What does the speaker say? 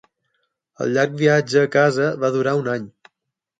El llarg viatge a casa va durar un any.